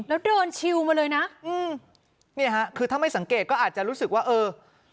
แล้วเดินชิวมาเลยนะอืมเนี่ยฮะคือถ้าไม่สังเกตก็อาจจะรู้สึกว่าเออ